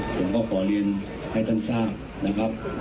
ผมก็ขอเรียนให้ท่านทราบนะครับ